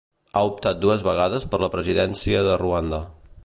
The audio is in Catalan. Ha optat dues vegades per a la presidència de Ruanda.